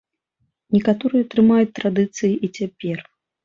Некаторыя трымаюцца традыцыі і цяпер.